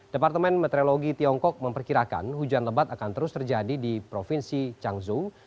departemen meteorologi tiongkok memperkirakan hujan lebat akan terus terjadi di provinsi changzhou